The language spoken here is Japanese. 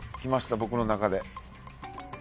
僕の中で。